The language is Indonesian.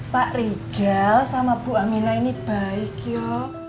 pak rijal sama bu aminah ini baik yo